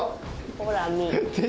ほら見ぃ。